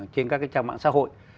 trên các trang mạng xã hội